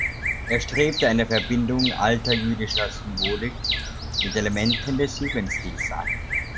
Er strebte eine Verbindung alter jüdischer Symbolik mit Elementen des Jugendstils an.